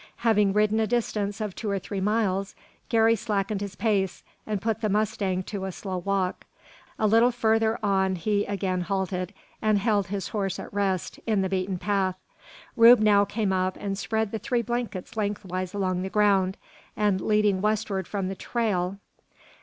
Having ridden a distance of two or three miles, Garey slackened his pace, and put the mustang to a slow walk. A little farther on he again halted, and held his horse at rest, in the beaten path. Rube now came up, and spread the three blankets lengthwise along the ground, and leading westward from the trail.